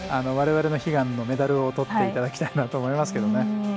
我々の悲願のメダルをとっていただきたいなと思います。